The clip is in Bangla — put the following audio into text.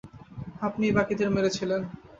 আপনিই বাকিদের মেরেছিলেন।